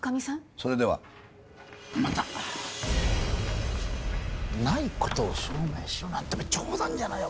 それではまたないことを証明しろなんて冗談じゃないよ！